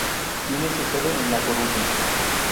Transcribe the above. Tiene su sede en La Coruña.